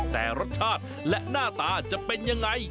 แต่รสชาติและหน้าตาจะเป็นยังไง